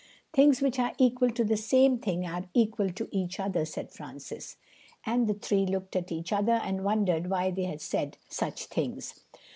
"Things which are equal to the same thing are equal to each other," said Francis; and the three looked at each other and wondered why they had said such things.